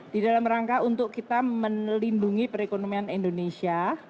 di dalam rangka untuk kita melindungi perekonomian indonesia